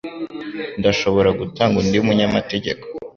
ndashobora gutanga undi munyamategeko